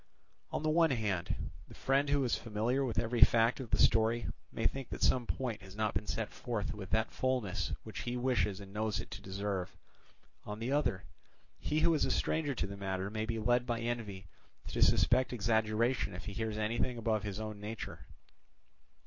On the one hand, the friend who is familiar with every fact of the story may think that some point has not been set forth with that fullness which he wishes and knows it to deserve; on the other, he who is a stranger to the matter may be led by envy to suspect exaggeration if he hears anything above his own nature.